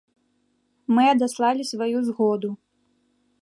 Мы адаслалі сваю згоду.